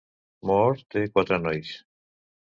Mohr té quatre nois.